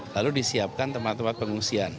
lalu disiapkan tempat tempat pengungsian